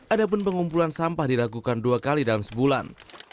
ada pun pengumpulan sampah diragukan dua kali dalam sebulan